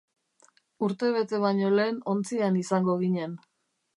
Urtebete baino lehen ontzian izango ginen.